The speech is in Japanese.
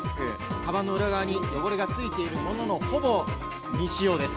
かばんの裏側に汚れがついているものの、ほぼ未使用です。